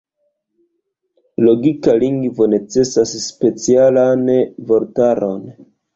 Logika lingvo necesas specialan vortaron.